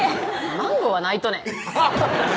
「マンゴーはないとね？」